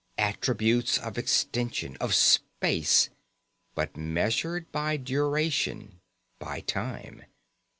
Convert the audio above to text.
Attributes of extension, of space_, but measured by duration, by time.